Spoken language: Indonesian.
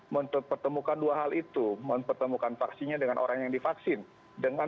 mempertemukan dua hal itu mempertemukan vaksinnya dengan orang yang divaksin dengan